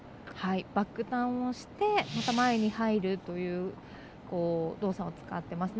バックターンをしてまた前に入るという動作を使っていますね。